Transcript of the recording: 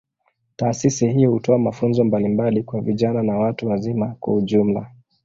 Taasisi hii hutoa mafunzo mbalimbali kwa vijana na watu wazima kwa ujumla.